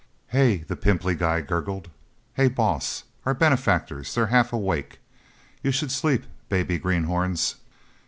"Hey!" the pimply guy gurgled. "Hey Boss! Our benefactors they're half awake! You should shleep, baby greenhorns...!"